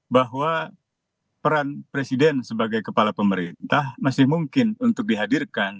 bahwa peran presiden sebagai kepala pemerintah masih mungkin untuk dihadirkan